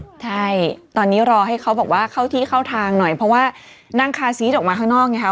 ใช่ตอนนี้รอให้เขาบอกว่าเข้าที่เข้าทางหน่อยเพราะว่านั่งคาซีสออกมาข้างนอกไงคะ